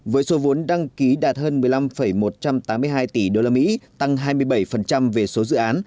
với số vốn đăng ký đạt hơn một mươi năm một trăm tám mươi hai tỷ usd tăng hai mươi bảy về số dự án